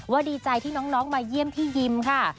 ดีใจที่น้องมาเยี่ยมพี่ยิมค่ะ